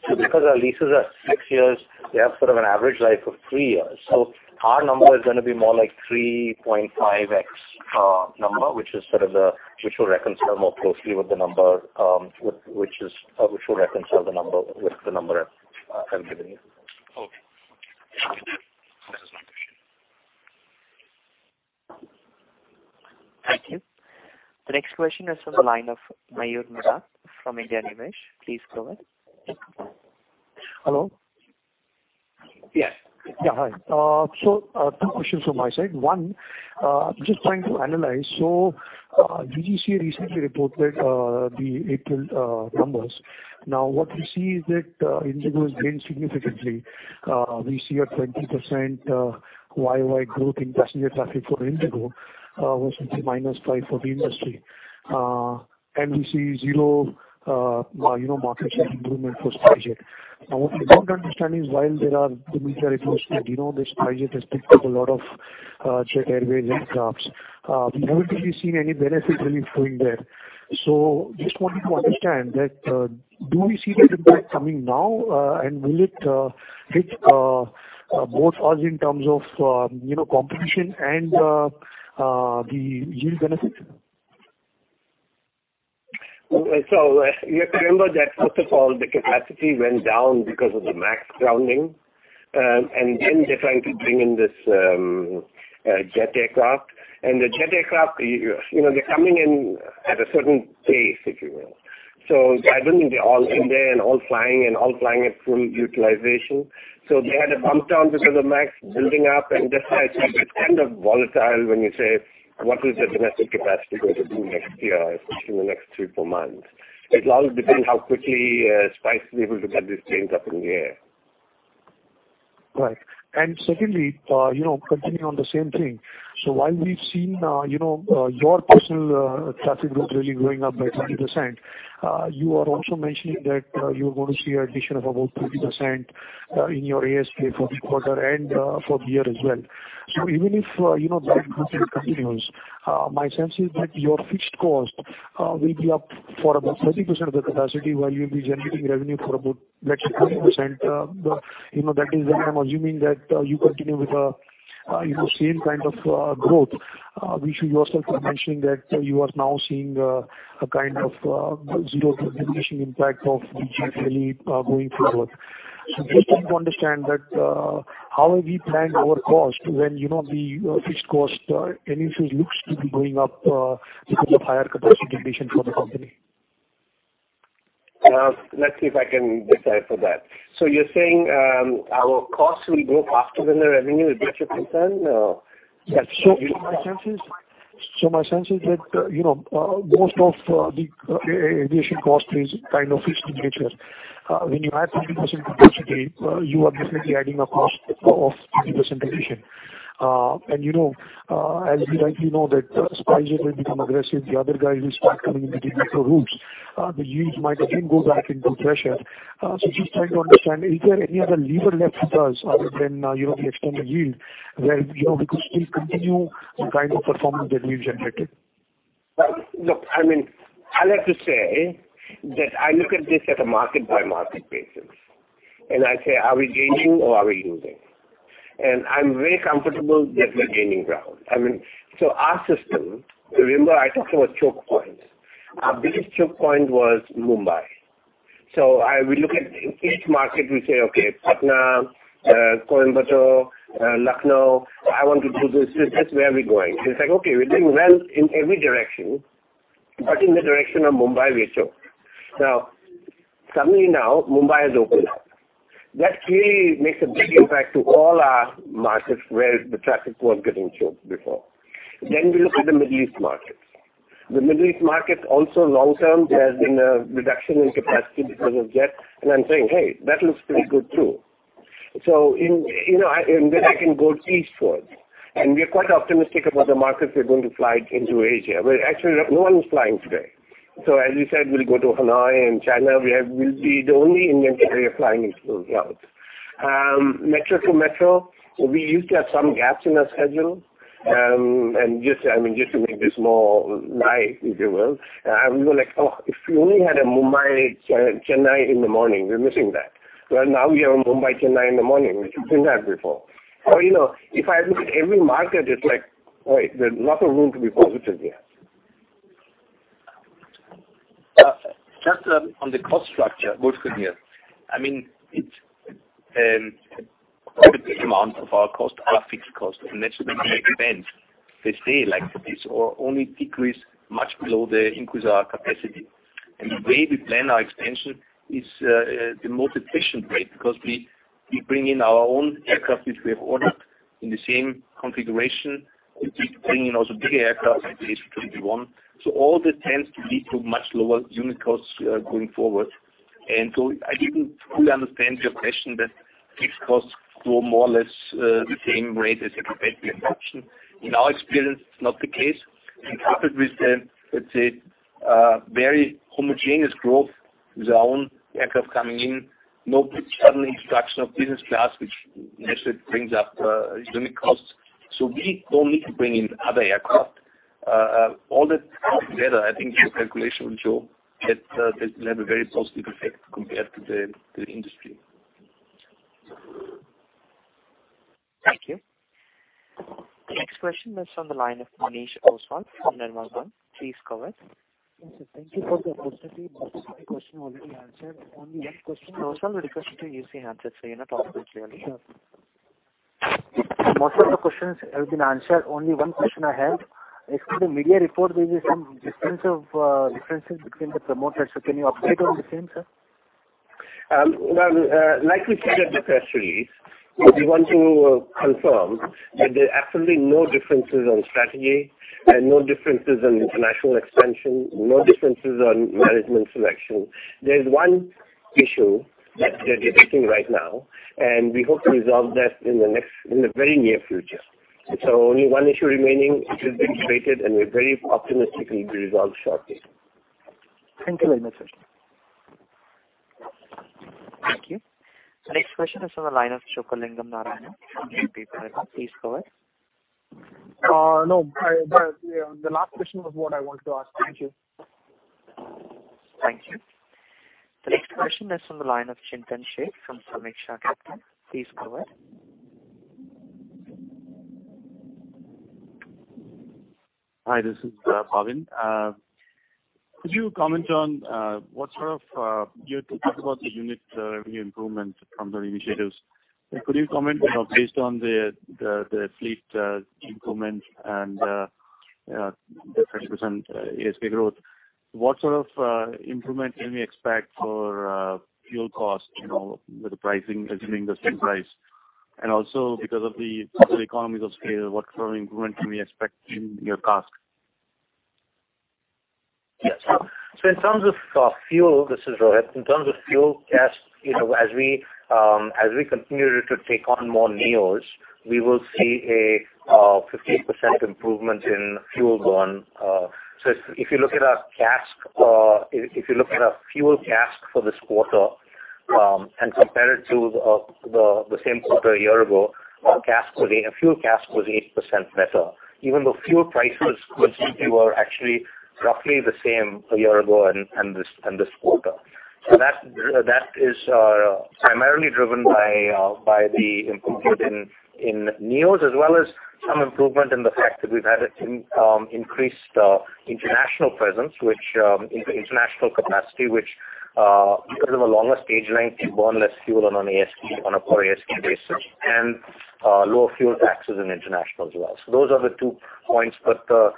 Because our leases are six years, we have sort of an average life of three years. Our number is going to be more like 3.5x number, which will reconcile more closely with the number I've given you. Okay. That was my question. Thank you. The next question is from the line of Mayur Madat from IndiaNivesh. Please go ahead. Hello? Yes. Yeah, hi. Two questions from my side. One, just trying to analyze. DGCA recently reported the April numbers. What we see is that IndiGo has gained significantly. We see a 20% year-over-year growth in passenger traffic for IndiGo versus the -5% for the industry. We see zero market share improvement for SpiceJet. What we don't understand is while there are demeter equipment, this SpiceJet has picked up a lot of Jet Airways aircrafts. We haven't really seen any benefit really flowing there. Just wanted to understand that, do we see the impact coming now? Will it hit both us in terms of competition and the yield benefit? You have to remember that first of all, the capacity went down because of the MAX grounding. They're trying to bring in this Jet Airways aircraft. The Jet Airways aircraft, they're coming in at a certain pace, if you will. I don't think they're all in there and all flying and all flying at full utilization. They had a bump down because of MAX building up and that's why I say it's kind of volatile when you say what is the domestic capacity going to do next year, in the next three, four months. It'll all depend how quickly SpiceJet is able to get these planes up in the air. Right. Secondly, continuing on the same thing. While we've seen your personal traffic growth really going up by 30%, you are also mentioning that you're going to see an addition of about 30% in your ASP for the quarter and for the year as well. Even if that growth rate continues, my sense is that your fixed cost will be up for about 30% of the capacity, while you'll be generating revenue for about let's say 20%. That is why I'm assuming that you continue with the same kind of growth, which you yourself are mentioning that you are now seeing a kind of zero to diminishing impact of DGCA really going forward. Just trying to understand that how have we planned our cost when the fixed cost anyways looks to be going up because of higher capacity addition for the company. Let's see if I can decipher that. You're saying our costs will grow faster than the revenue is that your concern? My sense is that most of the aviation cost is kind of fixed in nature. When you add 30% capacity, you are definitely adding a cost of 30% addition. As we rightly know that SpiceJet will become aggressive, the other guy will start coming in between micro routes. The yields might again go back into pressure. Just trying to understand, is there any other lever left with us other than the external yield where we could still continue the kind of performance that we've generated? Look, I mean, I like to say that I look at this at a market-by-market basis and I say, are we gaining or are we losing? I'm very comfortable that we're gaining ground. I mean, our system, remember I talked about choke points. Our biggest choke point was Mumbai. We look at each market, we say, okay, Patna, Coimbatore, Lucknow, I want to do this. That's where we're going. It's like, okay, we're doing well in every direction. But in the direction of Mumbai, we choked. Suddenly now Mumbai has opened up. That clearly makes a big impact to all our markets where the traffic was getting choked before. We look at the Middle East markets. The Middle East market also long-term, there has been a reduction in capacity because of Jet Airways, and I'm saying, "Hey, that looks pretty good, too." I can go eastwards. We are quite optimistic about the markets we are going to fly into Asia, where actually no one is flying today. As we said, we'll go to Hanoi and China. We'll be the only Indian carrier flying into those routes. Metro to metro, we used to have some gaps in our schedule, and just to make this more live, if you will, we were like, "Oh, if we only had a Mumbai to Chennai in the morning. We're missing that." Well, now we have a Mumbai to Chennai in the morning, which we didn't have before. If I look at every market, it's like, there's lots of room to be positive here. Just on the cost structure, Wolfgang here. Quite a big amount of our costs are fixed costs, and that's mainly expense. They stay like this or only decrease much below the increase of our capacity. The way we plan our expansion is the most efficient way because we bring in our own aircraft, which we have ordered in the same configuration. We keep bringing also bigger aircraft, the A321. All that tends to lead to much lower unit costs going forward. I didn't fully understand your question that fixed costs grow more or less the same rate as capacity expansion. In our experience, it's not the case. Coupled with the, let's say, very homogeneous growth with our own aircraft coming in, no sudden introduction of business class, which naturally brings up unit costs. We don't need to bring in other aircraft. All that together, I think your calculation will show that it will have a very positive effect compared to the industry. Thank you. The next question is on the line of Manish Shah from Nirmal Bang. Please go ahead. Yes, sir. Thank you for the opportunity. Most of my question already answered. Only one question. Manish, we request you to use the handset so you're not off mute, really. Sure. Most of the questions have been answered. Only one question I have. As per the media report, there is some differences between the promoters. Can you update on the same, sir? Well, like we said at the press release, we want to confirm that there are absolutely no differences on strategy and no differences on international expansion, no differences on management selection. There's one issue that we are discussing right now, and we hope to resolve that in the very near future. Only one issue remaining, which has been stated, and we're very optimistic it will be resolved shortly. Thank you very much. Thank you. The next question is on the line of Chockalingam Narayanan from BNP Paribas. Please go ahead. No, the last question was what I want to ask. Thank you. Thank you. The next question is on the line of Chintan Sheth from Sameeksha Capital. Please go ahead. Hi, this is Bhavin. You talked about the unit revenue improvement from the initiatives. Could you comment based on the fleet improvement and the 30% ASP growth? What sort of improvement can we expect for fuel cost, with the pricing assuming the same price? Also because of the possible economies of scale, what sort of improvement can we expect in your CASK? Yes. This is Rohit. In terms of fuel CASK, as we continue to take on more NEOs, we will see a 15% improvement in fuel burn. If you look at our fuel CASK for this quarter and compare it to the same quarter a year ago, our fuel CASK was 8% better, even though fuel prices were actually roughly the same a year ago and this quarter. That is primarily driven by the improvement in NEOs as well as some improvement in the fact that we've had increased international presence, international capacity, which because of a longer stage length, you burn less fuel on a per ASK basis, and lower fuel taxes in international as well. Those are the two points, but the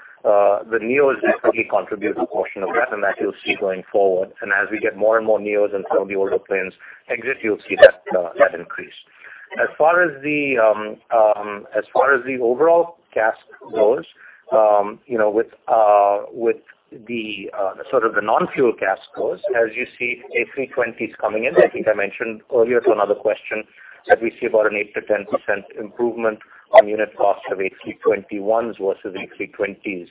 NEOs definitely contribute a portion of that, and that you'll see going forward. As we get more and more NEOs and some of the older planes exit, you'll see that increase. As far as the overall CASK goes, with the non-fuel CASK goes, as you see A320s coming in, I think I mentioned earlier to another question that we see about an 8%-10% improvement on unit cost of A321s versus A320s,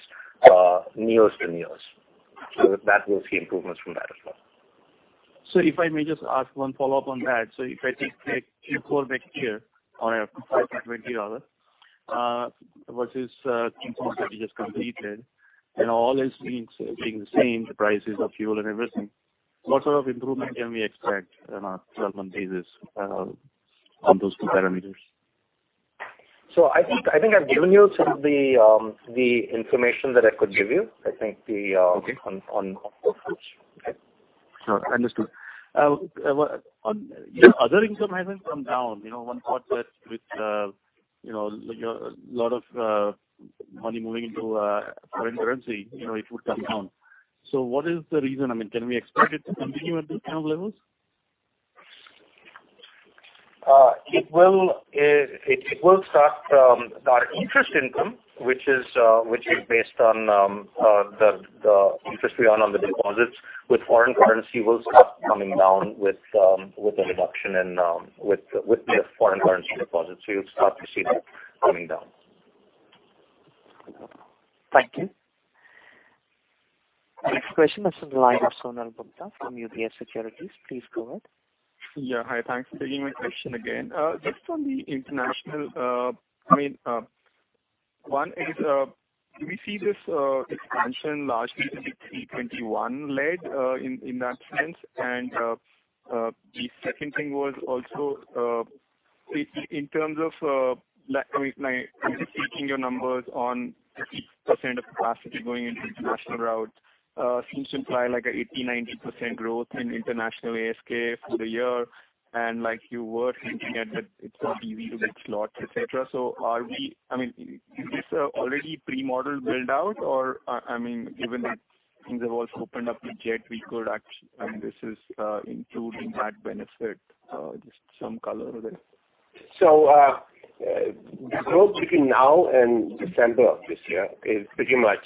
NEOs to NEOs. That we'll see improvements from that as well. If I may just ask 1 follow-up on that. If I take a full year on a INR 520 versus Q4 that you just completed, and all else being the same, the prices of fuel and everything, what sort of improvement can we expect on a 12-month basis on those two parameters? I think I've given you some of the information that I could give you. Okay. On both fronts. Sure. Understood. Your other income hasn't come down. 1 thought that with a lot of money moving into foreign currency, it would come down. What is the reason? Can we expect it to continue at this kind of levels? It will start from our interest income, which is based on the interest we earn on the deposits with foreign currency will start coming down with the reduction in foreign currency deposits. You'll start to see that coming down. Thank you. Next question is on the line of Sonal Gupta from UBS Securities. Please go ahead. Yeah. Hi, thanks. Giving my question again. Just on the international, one is, do we see this expansion largely to be A321 led in that sense? The second thing was also in terms of anticipating your numbers on 50% of capacity going into the international route seems to imply like an 80%-90% growth in international ASK for the year and like you were hinting at that it's not easy to get slots, et cetera. Is this already pre-modeled build-out? Given that things have also opened up with Jet Airways, this is including that benefit. Just some color there. The growth between now and December of this year is pretty much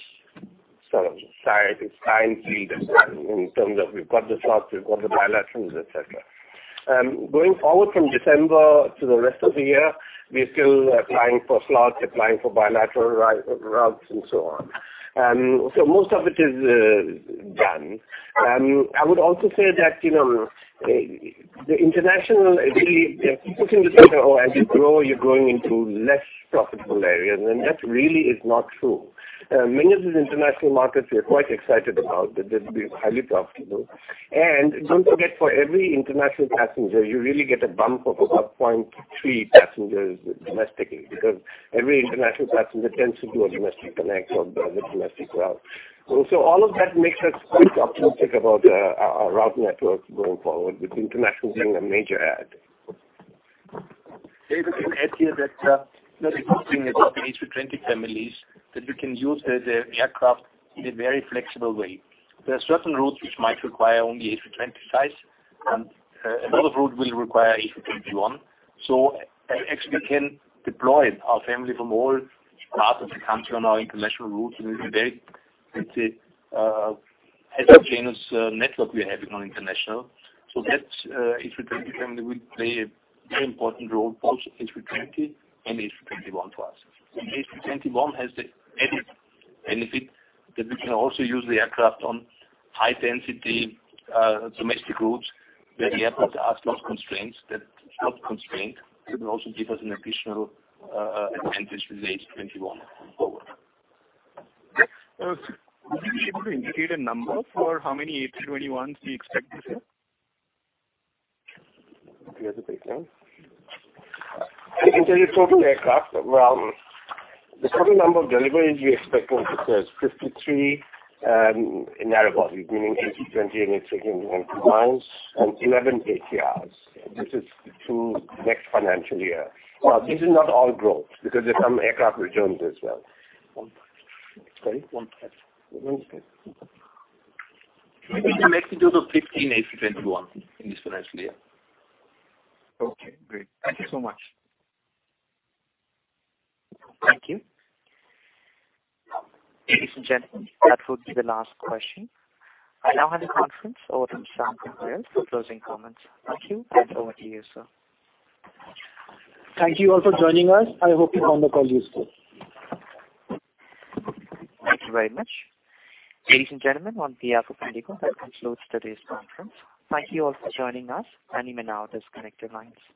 sort of signed, sealed in terms of we've got the slots, we've got the bilaterals, et cetera. Going forward from December to the rest of the year, we are still applying for slots, applying for bilateral routes and so on. Most of it is done. I would also say that the international really, people think that as you grow, you're growing into less profitable areas, and that really is not true. Many of these international markets we are quite excited about, they'll be highly profitable. Don't forget, for every international passenger, you really get a bump of about 0.3 passengers domestically, because every international passenger tends to do a domestic connect on the domestic route. All of that makes us quite optimistic about our route network going forward with International being a major add. David, I would add here that the good thing about the A320 families is that we can use the aircraft in a very flexible way. There are certain routes which might require only A320 size, and a lot of routes will require A321. Actually, we can deploy our family from all parts of the country on our International routes and it will be very, let's say, heterogeneous network we are having on International. That A320 family will play a very important role, both A320 and A321 to us. A321 has the added benefit that we can also use the aircraft on high density domestic routes where the airports are slot constrained. That will also give us an additional advantage with the A321 going forward. Would you be able to indicate a number for how many A321s you expect this year? Yes, I think so. I can tell you total aircraft. The total number of deliveries we expect this year is 53 narrow bodies, meaning A320 and A321s and 11 ATR. This is through next financial year. This is not all growth because there's some aircraft returns as well. We will have an exit of 15 A321 in this financial year. Okay, great. Thank you so much. Thank you. Ladies and gentlemen, that would be the last question. I now hand the conference over to Ankur Goel for closing comments. Thank you and over to you, sir. Thank you all for joining us. I hope you found the call useful. Thank you very much. Ladies and gentlemen, on behalf of IndiGo, that concludes today's conference. Thank you all for joining us. You may now disconnect your lines.